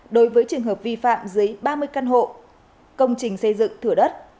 đối với trường hợp vi phạm dưới ba mươi căn hộ công trình xây dựng thửa đất